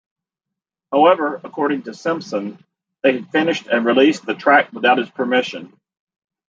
However, according to Simpson, they had finished and released the track without his permission.